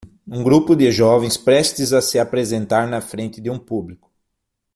um grupo de jovens prestes a se apresentar na frente de um público.